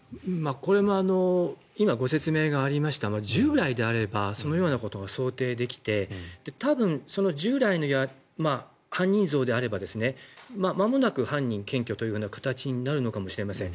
これも今、ご説明がありましたが従来であればそのようなことが想定できて多分、従来の犯人像であればまもなく犯人検挙という形になるのかもしれません。